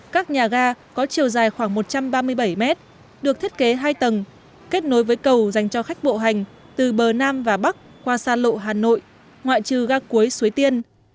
các nhà ga có chiều dài khoảng một trăm ba mươi bảy mét được thiết kế hai tầng kết nối với cầu dành cho khách bộ hành từ bờ nam và bắc qua sa lộ hà nội ngoại trừ ga cuối xuối tiên